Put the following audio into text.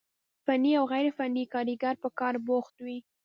فني او غير فني کاريګر په کار بوخت وي،